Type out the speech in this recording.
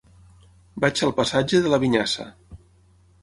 Vaig al passatge de la Vinyassa.